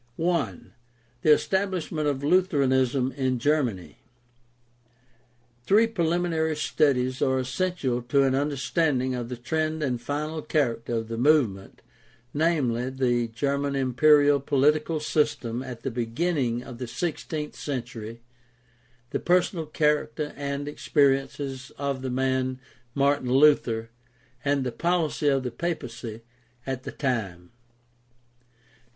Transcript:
I. The establishment of Lutheranism in Germany. — Three preliminary studies are essential to an understanding of the trend and final character of the movement, namely, the German imperial political system at the beginning of the sixteenth century, the personal character and experiences of the man Martin Luther, and the policy of the papacy at the time.